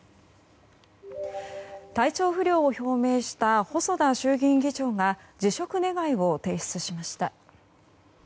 体調不良を表明した細田衆院議長が辞職願を提出しました。